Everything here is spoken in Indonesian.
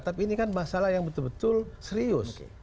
tapi ini kan masalah yang betul betul serius